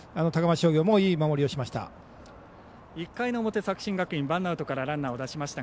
商業もいい守りをしました。